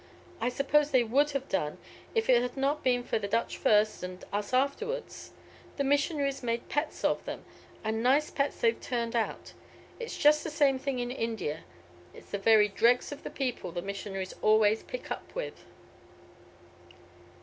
"I suppose they would have done if it had not been for the Dutch first and us afterwards. The missionaries made pets of them, and nice pets they have turned out. It is just the same thing in India. It's the very dregs of the people the missionaries always pick up with."